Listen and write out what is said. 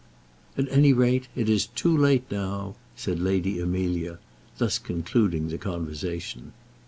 "At any rate, it is too late now," said Lady Amelia, thus concluding the conversation.